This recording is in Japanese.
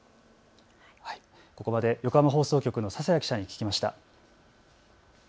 ここまで横浜放送局の笹谷記者に聞きました。